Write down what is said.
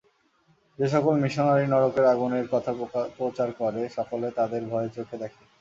যে-সকল missionary নরকের আগুনের কথা প্রচার করে, সকলে তাদের ভয়ের চোখে দেখে।